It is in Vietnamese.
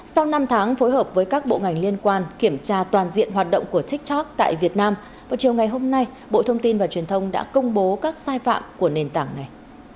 sau năm tháng phối hợp với các bộ ngành liên quan kiểm tra toàn diện hoạt động của tiktok tại việt nam vào chiều ngày hôm nay bộ thông tin và truyền thông đã công bố các sai phạm của nền tảng này